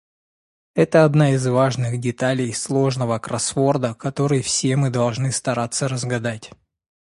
Это одна из важных деталей сложного кроссворда, который все мы должны стараться разгадать.